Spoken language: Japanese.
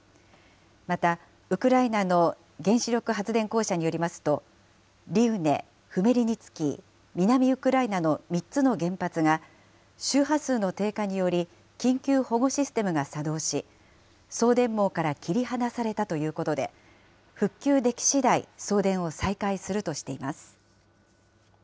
また、ウクライナの原子力発電公社によりますと、リウネ、フメリニツキー、南ウクライナの３つの原発が、周波数の低下により、緊急保護システムが作動し、送電網から切り離されたということで、復旧できしだい、送電を再開するとしています。